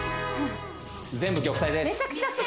全部玉砕です